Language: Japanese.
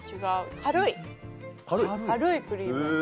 軽いクリーム。